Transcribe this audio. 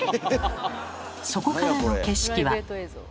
そこからの景色は。